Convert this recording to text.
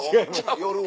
夜は。